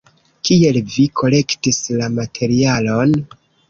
Kiel vi kolektis la materialon?